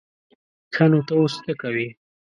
ښه نو ته اوس څه کوې؟